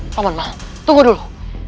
paman mau tunggu dulu